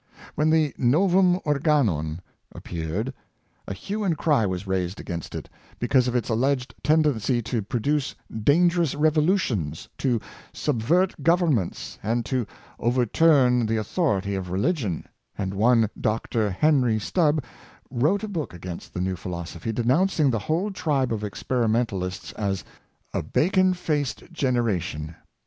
When the " Novum Organon " appeared, a hue and cry was raised against it, because of its alleged tend ency to produce "dangerous revolutions," to *' subvert governments," and to " overturn the authority of re ligion; " and one Dr. Henry Stubbe wrote a book Ho stun y to New Views. 451 against the new philosophy, denouncing the whole tribe of experimentalists as a "Bacon faced generation."